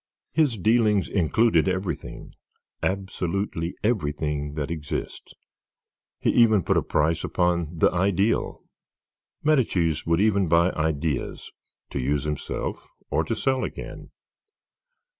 His dealings included everything, absolutely everything that exists; he even put a price upon the Ideal. Medicis would even buy ideas, to use himself or to sell again.